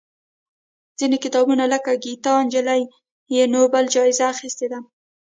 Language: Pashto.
ځینې کتابونه لکه ګیتا نجلي یې نوبل جایزه اخېستې ده.